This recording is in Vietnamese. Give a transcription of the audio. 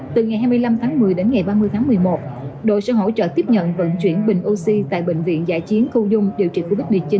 từ ngày hai mươi năm tháng một mươi đến ngày ba mươi tháng một mươi một đội sẽ hỗ trợ tiếp nhận vận chuyển bình oxy tại bệnh viện giải chiến khâu dung điều trị covid một mươi chín